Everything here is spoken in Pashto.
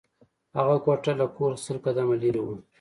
هغه کوټه له کور څخه سل قدمه لېرې وه